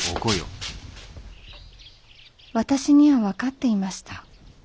私には分かっていました。